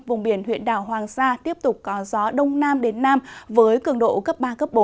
vùng biển huyện đảo hoàng sa tiếp tục có gió đông nam đến nam với cường độ cấp ba cấp bốn